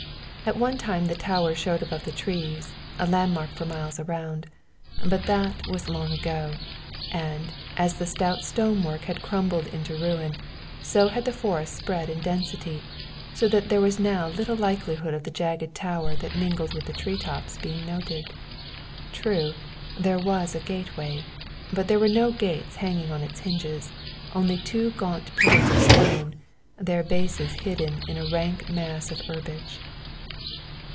At one time the tower showed above the trees, a landmark for miles around, but that was long ago, and, as the stout stonework had crumbled into ruin, so had the forest spread in density, so that there was now little likelihood of the jagged tower that mingled with the tree tops being noted. True, there was a gateway, but there were no gates hanging on its hinges; only two gaunt pillars of stone, their bases hidden in a rank mass of herbage.